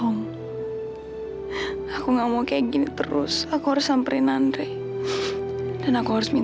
udah aku minta kamu pergi dari sini